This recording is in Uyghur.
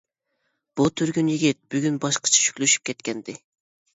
بۇ تۈرگۈن يىگىت بۈگۈن باشقىچە شۈكلىشىپ كەتكەنىدى.